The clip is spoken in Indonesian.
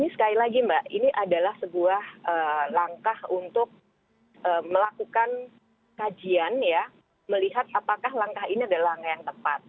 sekali lagi mbak ini adalah sebuah langkah untuk melakukan kajian ya melihat apakah langkah ini adalah langkah yang tepat